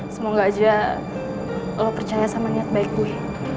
semoga aja lo percaya sama niat baik gue